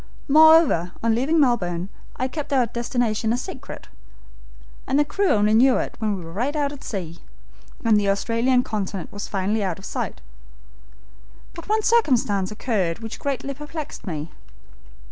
Moreover, on leaving Melbourne, I kept our destination a secret, and the crew only knew it when we were right out at sea, and the Australian continent was finally out of sight. But one circumstance occurred which greatly perplexed me."